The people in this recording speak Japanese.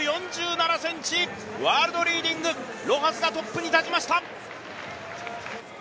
１５ｍ４７ｃｍ、ワールドリーディング、ロハスがトップに立ちました。